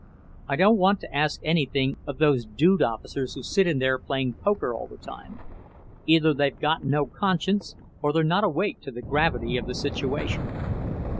I don't want to ask anything of those dude officers who sit in there playing poker all the time. Either they've got no conscience, or they're not awake to the gravity of the situation."